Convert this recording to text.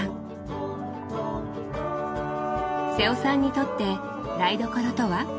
瀬尾さんにとって台所とは？